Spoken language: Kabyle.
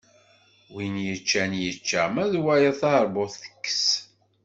Win yeččan yečča, ma d wayeḍ teṛbut tekkes.